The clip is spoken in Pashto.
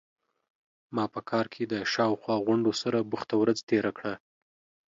ما په کار کې د شا او خوا غونډو سره بوخته ورځ تیره کړه.